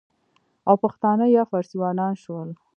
او پښتانه یا فارسیوانان شول،